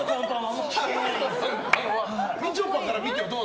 みちょぱから見てどう？